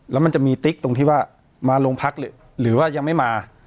แล้วมันจะมีติ๊กตรงที่ว่ามาโรงพักเลยหรือว่ายังไม่มา